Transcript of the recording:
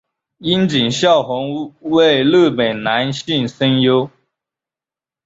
樱井孝宏为日本男性声优。